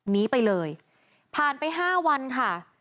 หนีไปเลยผ่านไป๕วันค่ะ